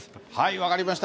分かりました。